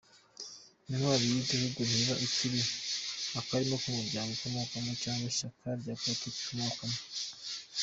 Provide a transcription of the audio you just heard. Intwari y’igihugu ntiba ikiri akarima k’umuryango ikomokamo, cyangwa ishyaka rya politiki ikomokamo.